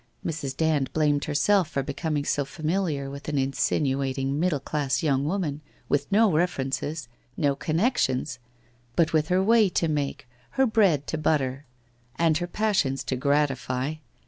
Mrs. Dand blamed herself for becoming so familiar with an insinua ting middle class young woman, with no references, no Connections, but with her way to make, her bread to butter, 168 WHITE ROSE OF WEARY LEAF and her passions to gratify.